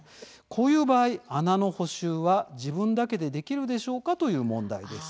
こういう場合穴の補修は自分だけでできるでしょうかという問題です。